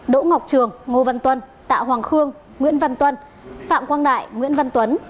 đỗ ngọc trường ngô văn tuân tạ hoàng khương nguyễn văn tuân phạm quang đại nguyễn văn tuấn